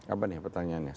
apa nih pertanyaannya